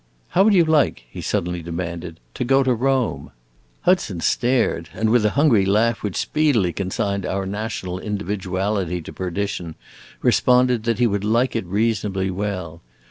"How would you like," he suddenly demanded, "to go to Rome?" Hudson stared, and, with a hungry laugh which speedily consigned our National Individuality to perdition, responded that he would like it reasonably well.